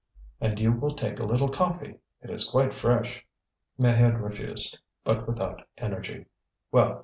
And you will take a little coffee. It is quite fresh." Maheude refused, but without energy. Well!